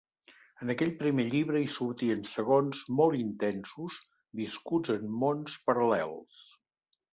En aquell primer llibre hi sortien segons molt intensos viscuts en mons paral·lels.